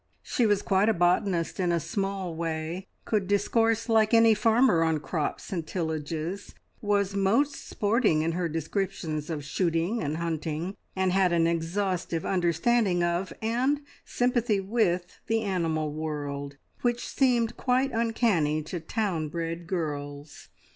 She was quite a botanist in a small way, could discourse like any farmer on crops and tillages, was most sporting in her descriptions of shooting and hunting, and had an exhaustive understanding of, and sympathy with, the animal world, which seemed quite uncanny to town bred girls.